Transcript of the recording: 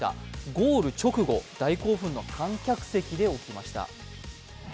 ゴール直後、大興奮の観客席で起きました。